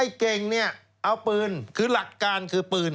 เก่งเนี่ยเอาปืนคือหลักการคือปืน